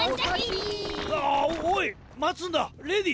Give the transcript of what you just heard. ああっおいまつんだレディー！